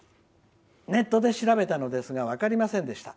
ネットで調べたのですが分かりませんでした。